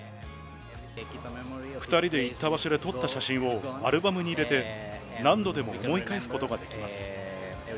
２人で行った場所で撮った写真をアルバムに入れて、何度でも思い返すことができます。